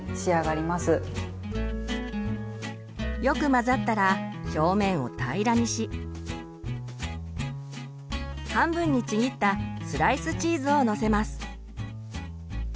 よく混ざったら表面を平らにし半分にちぎったスライスチーズをのせます。